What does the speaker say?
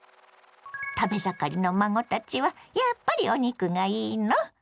食べ盛りの孫たちはやっぱりお肉がいいの？